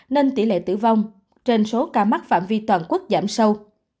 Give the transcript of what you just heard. nên tỷ lệ tử vong trên số ca mắc phạm vi toàn quốc giảm sâu